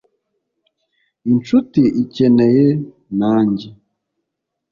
inshuti ikeneye nanjye